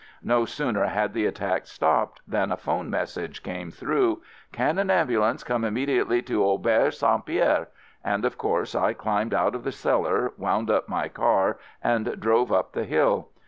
No sooner had the attack stopped than a phone message came through, "Can an ambulance come immediately to Auberge St. Pierre?" — and of course I climbed out of the cellar, wound up my car, and drove up the hill.